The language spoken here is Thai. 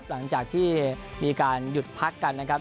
หลังจากที่มีการหยุดพักกันนะครับ